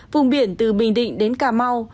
vùng biển từ bình định đến cà mau